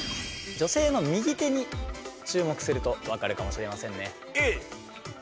女性の右手に注目すると分かるかもしれませんね。